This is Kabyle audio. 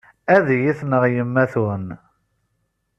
Ad iyi-tneɣ yemma-twen.